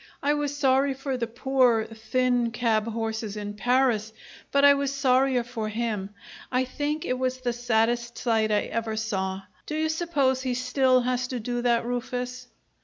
I was sorry for the poor, thin cab horses in Paris, but I was sorrier for him. I think it was the saddest sight I ever saw. Do you suppose he still has to do that, Rufus?"